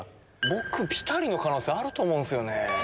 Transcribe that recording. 僕ピタリの可能性あると思う。